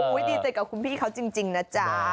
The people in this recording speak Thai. ดีใจกับคุณพี่เขาจริงนะจ๊ะ